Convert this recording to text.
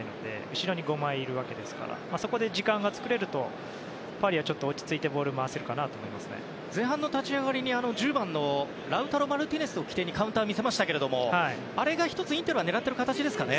後ろに５枚いるわけですからそこで時間が作れるとパリは落ち着いて前半の立ち上がりに１０番のラウタロ・マルティネスを起点にカウンターを見せましたけれどもあれが１つ、インテルとしては狙っている形ですかね。